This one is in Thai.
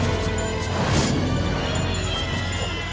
จัดเต็มให้เลย